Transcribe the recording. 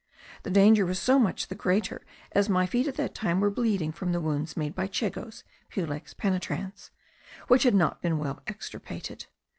The danger was so much the greater, as my feet at that time were bleeding from the wounds made by chegoes (Pulex penetrans), which had not been well extirpated.